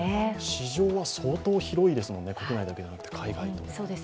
市場は相当広いですもんね、国内だけでなく海外も。